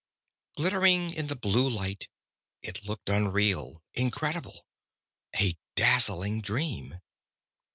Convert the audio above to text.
Glittering in the blue light, it looked unreal. Incredible. A dazzling dream.